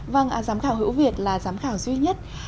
vâng giám khảo hữu việt là giám khảo duy nhất